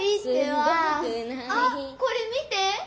あっこれ見て！